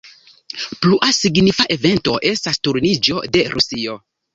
Plua signifa evento estas turniĝo de Rusio.